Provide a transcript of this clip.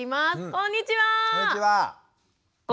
こんにちは。